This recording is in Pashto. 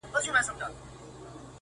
• کلونه کیږي د ځنګله پر څنډه,